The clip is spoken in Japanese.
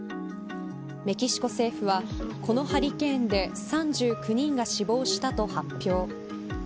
メキシコ政府はこのハリケーンで３９人が死亡したと発表。